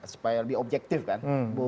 supaya lebih objektif kan